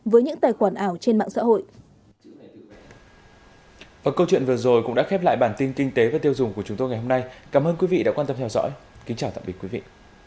với những tài khoản ảo trên mạng xã hội